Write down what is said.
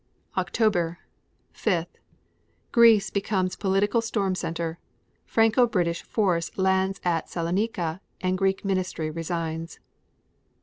October 5. Greece becomes political storm center. Franco British force lands at Salonika and Greek ministry resigns.